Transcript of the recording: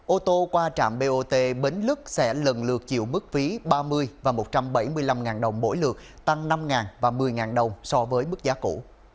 ô tô qua trạm bot bến lức sẽ lần lượt chịu mức phí ba mươi và một trăm bảy mươi năm ngàn đồng mỗi lượt tăng năm ngàn và một mươi ngàn đồng so với mức giá cũ